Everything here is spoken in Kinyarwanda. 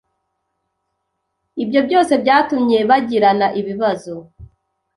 Ibyo byose byatumye bagirana ibibazo